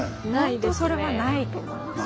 ほんとそれはないと思いますね。